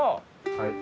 はい。